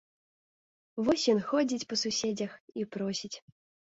Вось ён ходзіць па суседзях і просіць.